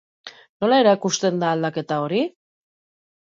Nola erakusten da aldaketa hori?